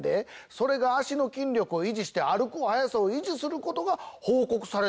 それが脚の筋力を維持して歩く速さを維持することが報告されてるらしいよ！